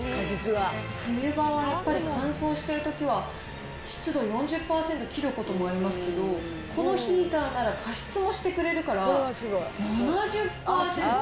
冬場はやっぱり乾燥しているときは、湿度４０％切ることもありますけど、このヒーターなら加湿もしてくれるから、７０％。